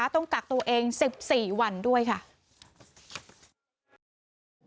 ต้องกักตัวเอง๑๔วันด้วยค่ะ